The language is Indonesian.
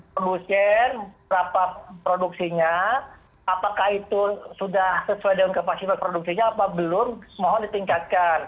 produsen rapat produksinya apakah itu sudah sesuai dengan kapasitas produksinya apa belum mohon ditingkatkan